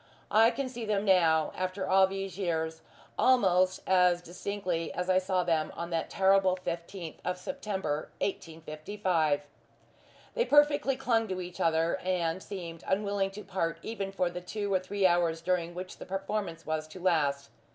I can see them now, after all these years, almost as distinctly as I saw them on that terrible fifteenth of September, 1855. They perfectly clung to each other, and seemed unwilling to part even for the two or three hours during which the performance was to last.